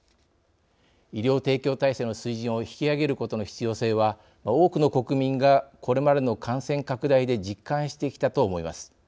医療提供体制の水準を引き上げることの必要性は多くの国民がこれまでの感染拡大で実感してきたと思います。